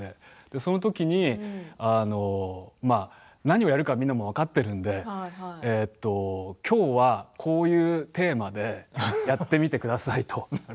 そのときに何をやるかみんなもう分かっているのできょうは、こういうテーマでやってみてくださいと。